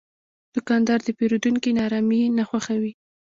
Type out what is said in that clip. دوکاندار د پیرودونکي ناارامي نه خوښوي.